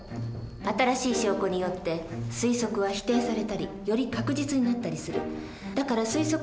新しい証拠によって推測は否定されたりより確実になったりする。